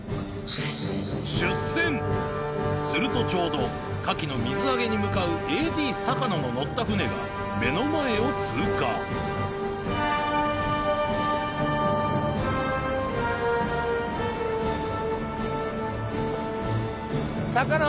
出船するとちょうどカキの水揚げに向かうＡＤ坂野の乗った船が目の前を通過坂野。